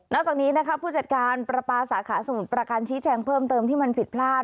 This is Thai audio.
จากนี้นะคะผู้จัดการประปาสาขาสมุทรประการชี้แจงเพิ่มเติมที่มันผิดพลาด